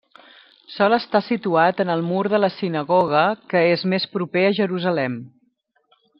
Sol estar situat en el mur de la sinagoga que és més proper a Jerusalem.